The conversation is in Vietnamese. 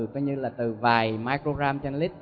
coi như là từ vài microgram trên lít